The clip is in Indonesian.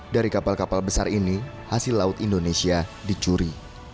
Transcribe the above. dari kapal kapal besar ini hasil laut indonesia dicuri